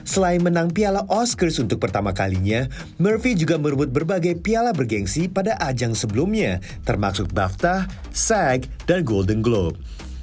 selain menang piala oscars untuk pertama kalinya mervi juga merebut berbagai piala bergensi pada ajang sebelumnya termasuk baftah seg dan golden globe